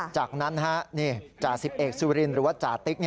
จากนั้นจ่าสิบเอกสุรินหรือว่าจ่าติ๊ก